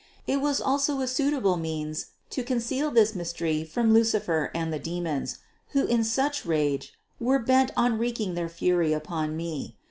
It was also a suitable means to conceal this mystery from Lucifer and the demons, who in such rage were bent on wreaking their fury upon me.